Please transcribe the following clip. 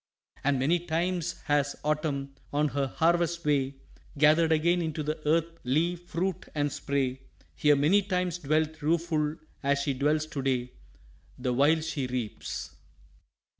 And many times has Autumn, on her harvest way, Gathered again into the earth leaf, fruit, and spray; Here many times dwelt rueful as she dwells to day, The while she reaps.